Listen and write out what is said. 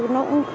nó cũng vất vả